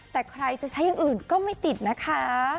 แต่ใครจะใช้อย่างอื่นก็ไม่ติดนะคะ